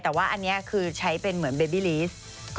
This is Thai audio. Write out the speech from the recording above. แต่ว่าอันนี้คือใช้เป็นเหมือนเบบี้ลีส